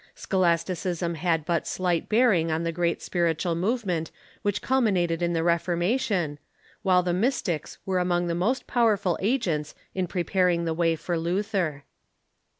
12 1V8 THE MEDIEVAL CHURCH Scholasticism bad but slight bearing on the great spiritual movement which culminated in the Reformation, while the Mystics were among the most i:»owerful agents in preparing the way for Luther.